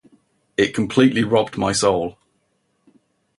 It completely robbed my soul.